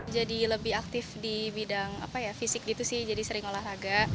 jadi lebih aktif di bidang fisik gitu sih jadi sering olahraga